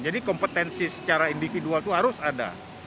jadi kompetensi secara individual itu harus ada